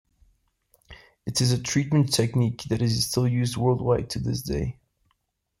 It is a treatment technique that is still used worldwide to this day.